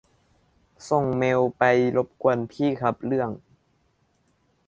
ส่งเมลไปรบกวนพี่ครับ เรื่อง